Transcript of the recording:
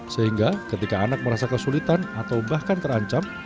sehingga ketika anak merasa kesulitan atau bahkan terancam